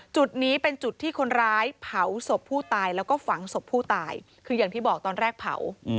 จุดนี้เป็นจุดที่คนร้ายเผาศพผู้ตายแล้วก็ฝังศพผู้ตายคืออย่างที่บอกตอนแรกเผา